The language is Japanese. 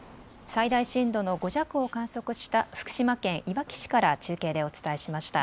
最大震度の５弱を観測した福島県いわき市から中継でお伝えしました。